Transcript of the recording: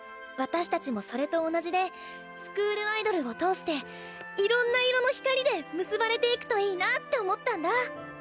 私たちもそれと同じでスクールアイドルを通していろんな色の光で結ばれていくといいなあって思ったんだ。